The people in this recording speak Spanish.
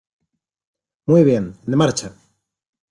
¡ Muy bien, en marcha!